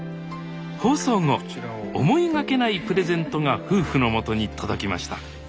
放送後思いがけないプレゼントが夫婦のもとに届きました。